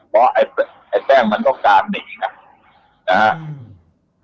เพราะไอ้แป้งมันต้องการหนีนะครับ